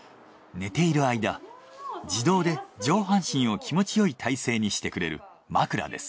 寝ている間自動で上半身を気持ちよい体勢にしてくれる枕です。